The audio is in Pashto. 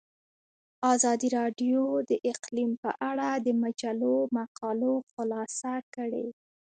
ازادي راډیو د اقلیم په اړه د مجلو مقالو خلاصه کړې.